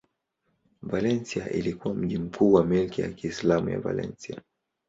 Valencia ilikuwa mji mkuu wa milki ya Kiislamu ya Valencia.